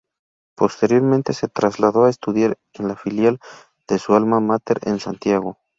Posteriormente se trasladó a estudiar en la filial de su alma máter en Santiago.